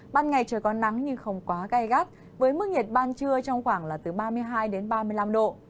ban ngày trời có nắng nhưng không quá gai gắt với mức nhiệt ban trưa trong khoảng là từ ba mươi hai đến ba mươi năm độ